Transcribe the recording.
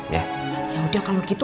ya udah kalau gitu